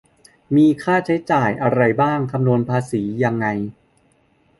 มีค่าใช้จ่ายอะไรบ้าง คำนวณภาษียังไง